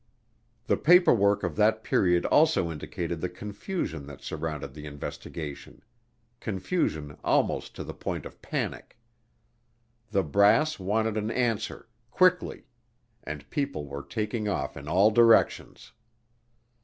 The paper work of that period also indicated the confusion that surrounded the investigation; confusion almost to the point of panic. The brass wanted an answer, quickly, and people were taking off in all directions.